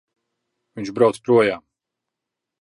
Viņš brauc projām!